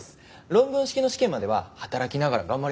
論文式の試験までは働きながら頑張ります。